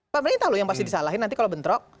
pemerintah loh yang pasti disalahin nanti kalau bentrok